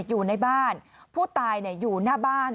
อยู่ในบ้านผู้ตายอยู่หน้าบ้าน